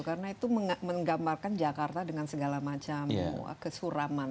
karena itu menggambarkan jakarta dengan segala macam kesuraman